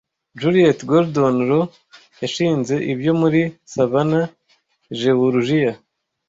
Juliet Gordon Low yashinze ibyo muri Savannah Jeworujiya